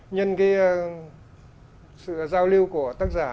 nhân cái sự giao lưu của tác giả